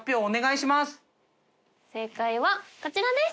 正解はこちらです。